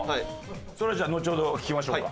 それはじゃあのちほど聞きましょうか。